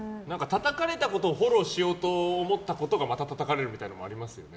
たたかれたことをフォローしようと思ったことがまた、たたかれるみたいなのもありますよね。